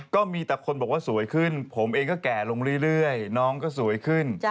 ก็มีแต่คนบอกว่าสวยขึ้นผมเองก็แก่ลงเรื่อยน้องก็สวยขึ้น